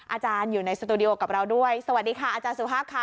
อาจารย์อยู่ในสตูดิโอกับเราด้วยสวัสดีค่ะอาจารย์สุภาพค่ะ